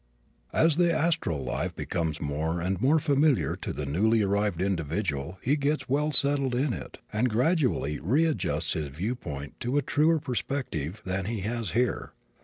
As the astral life becomes more and more familiar to the newly arrived individual he gets well settled in it and gradually readjusts his viewpoint to a truer perspective than he has here.